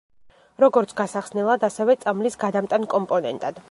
როგორც გასახსნელად ასევე წამლის გადამტან კომპონენტად.